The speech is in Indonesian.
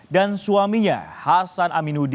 dan suaminya hasan aminuddin